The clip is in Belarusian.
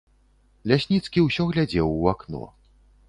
Лясніцкі ўсё глядзеў у акно.